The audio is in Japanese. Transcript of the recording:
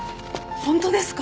本当ですか！？